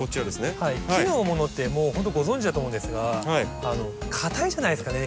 木のものってもうほんとご存じだと思うんですがかたいじゃないですかね